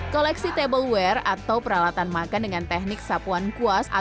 koleksi tableware atau peralatan makan dengan teknik sapuan kuas